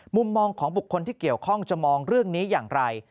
มุมมองของบุคคลที่เกี่ยวข้องจะมองเรื่องนี้อย่างไร